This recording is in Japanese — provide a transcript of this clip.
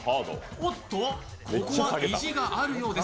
おっと、ここは意地があるようです。